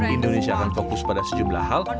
indonesia akan fokus pada sejumlah hal